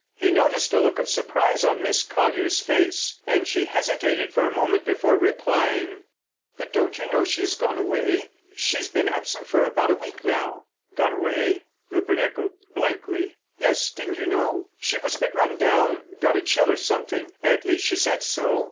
He noticed a look of surprise on Miss Colyer's face, and she hesitated a moment before replying. "But don't you know she has gone away? She's been absent about a week now." "Gone away," Rupert echoed blankly. "Yes; didn't you know? She was a bit run down. Got a chill or something—at least, she said so!